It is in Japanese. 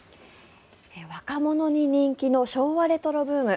若者に人気の昭和レトロブーム。